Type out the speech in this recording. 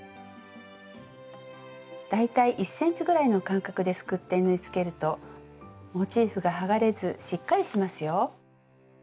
大体１ｃｍぐらいの間隔ですくって縫い付けるとモチーフが剥がれずしっかりしますよ。